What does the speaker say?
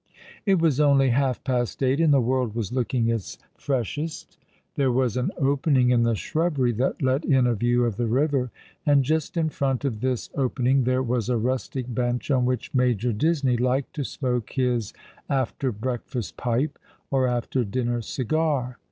It was only half past eight, and the world was looking its freshest. There was an opening in the shrubbery that let in a view of the river, and just in front of this opening there was a rustic bench on which Major Disney liked to smoke his afler breakfast pipe or after dinner cigar.